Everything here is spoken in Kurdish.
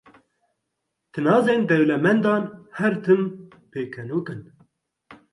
Tinazên dewlemendan, her tim pêkenok in.